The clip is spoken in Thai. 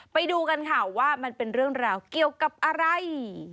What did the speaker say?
ไปดูกันค่ะว่ามันเป็นเรื่องราวเกี่ยวกับอะไร